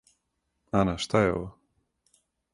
Ана, шта је ово?